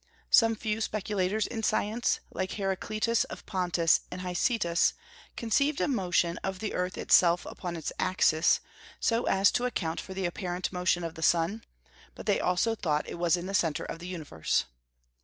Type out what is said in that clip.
Some few speculators in science (like Heraclitus of Pontus, and Hicetas) conceived a motion of the earth itself upon its axis, so as to account for the apparent motion of the sun; but they also thought it was in the centre of the universe.